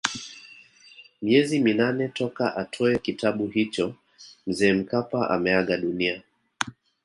Miezi minane toka atoe kitabu hicho Mzee Mkapa ameaga dunia